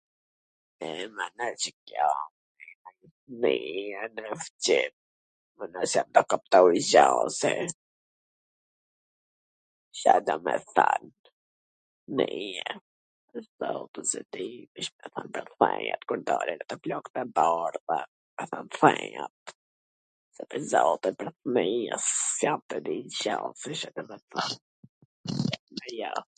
E, mana, C a kjo? ... Mendon se do kuptoj gja un se? Ca do me than? I do thot po s e di, ... kur dalin ato flokt e bardha, ato thinjat, se pwr zotin me e i s jam tu di gja...